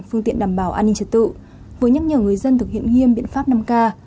phương tiện đảm bảo an ninh trật tự vừa nhắc nhở người dân thực hiện nghiêm biện pháp năm k